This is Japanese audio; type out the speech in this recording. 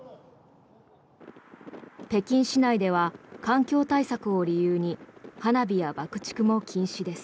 北京市内では環境対策を理由に花火や爆竹も禁止です。